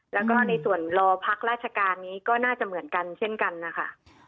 แล้วก็ในส่วนรอพักราชการนี้ก็น่าจะเหมือนกันเช่นกันนะคะ